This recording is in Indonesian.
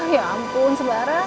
ya ampun sembara